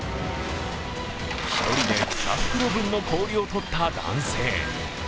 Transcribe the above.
１人で２袋分の氷を取った男性。